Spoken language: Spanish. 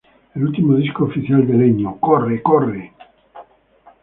El último disco oficial de Leño, "¡Corre, corre!